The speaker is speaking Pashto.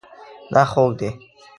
دا خوږ دی